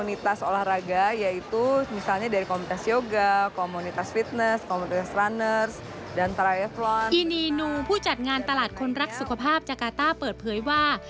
อีนีนูผู้จัดงานตลาดคนรักสุขภาพจากกาต้าเปิดเผยว่า